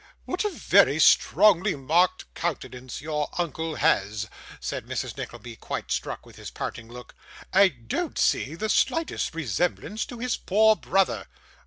'What a very strongly marked countenance your uncle has!' said Mrs Nickleby, quite struck with his parting look. 'I don't see the slightest resemblance to his poor brother.